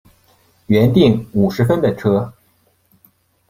原订五十分的车